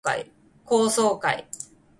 高層階